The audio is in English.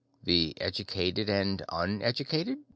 The educated and uneducated?